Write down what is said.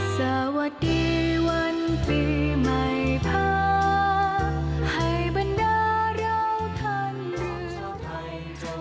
สวัสดีวันปีใหม่พระให้บรรดาเล่าทันหนึ่ง